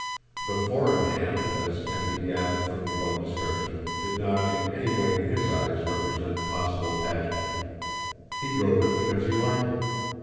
The four in hand, as can be gathered from the above description, did not in any way in his eyes represent possible pageantry. He drove it because he liked it.